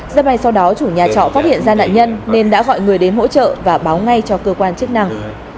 rất may sau đó chủ nhà trọ phát hiện ra nạn nhân nên đã gọi người đến hỗ trợ và báo ngay cho cơ quan chức năng